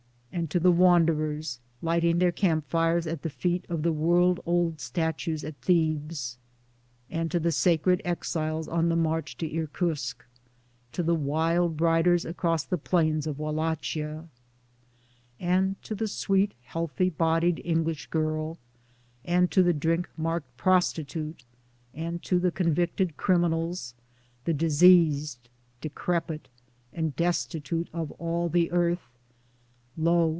— and to the wanderers lighting their camp fires at the feet of the world old statues at Thebes ; and to the sacred exiles on the march to Irkutsk ; to the wild riders across the plains of Wallachia ; And to the sweet healthy bodied English girl, and to the drink marked prostitute, and to the convicted criminals, the diseased decrepit and destitute of all the Earth : Lo